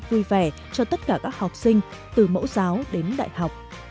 vui vẻ cho tất cả các học sinh từ mẫu giáo đến đại học